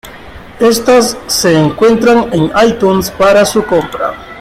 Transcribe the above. Estas se encuentran en iTunes para su Compra.